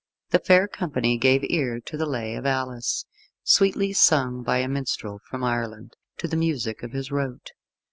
The fair company gave ear to the Lay of Alys, sweetly sung by a minstrel from Ireland, to the music of his rote.